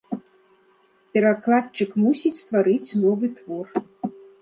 Перакладчык мусіць стварыць новы твор.